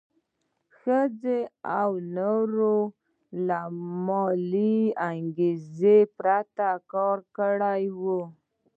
ښځو او نارینه وو له مالي انګېزې پرته کار کړی وای.